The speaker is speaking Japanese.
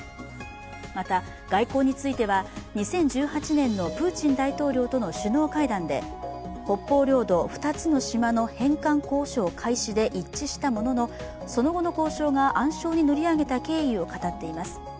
また、外交については２０１８年のプーチン大統領との首脳会談で北方領土２つの島の返還交渉開始で一致したもののその後の交渉が暗礁に乗り上げた経緯を語っています。